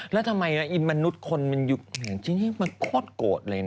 แล้วทำไมมนุษย์คนมันอยู่อย่างจริงมันโคตรโกรธเลยนะ